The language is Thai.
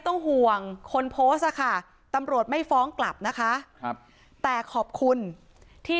ต้องห่วงคนโพสต์ค่ะตำรวจไม่ฟ้องกลับนะคะครับแต่ขอบคุณที่